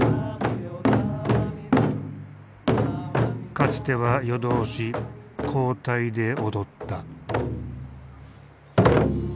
かつては夜通し交代で踊った。